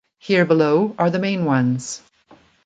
Here below are the main ones.